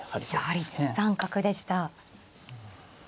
やはり１三角でした。